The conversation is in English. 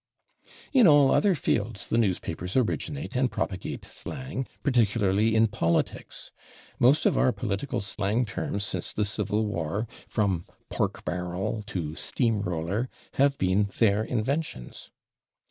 In all other fields the newspapers originate and propagate slang, particularly in politics. Most of our political slang terms since the Civil War, from /pork barrel/ to /steam roller/, have been their inventions.